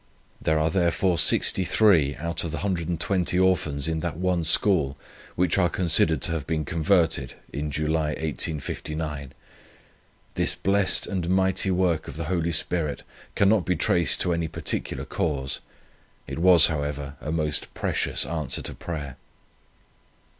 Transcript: There are therefore 63 out of the 120 Orphans in that one School who are considered to have been converted in July, 1859. This blessed and mighty work of the Holy Spirit cannot be traced to any particular cause. It was however, a most precious answer to prayer.